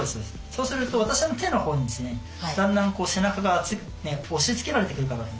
そうすると私の手のほうにだんだん背中が押しつけられてくるかなと。